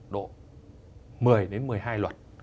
độ một mươi đến một mươi hai luật